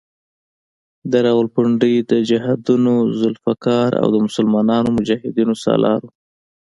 د راولپنډۍ د جهادونو ذوالفقار او د مسلمانو مجاهدینو سالار وو.